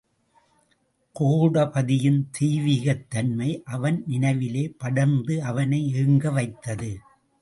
கோடபதியின் தெய்வீகத் தன்மை அவன் நினைவிலே படர்ந்து அவனை ஏங்க வைத்தது.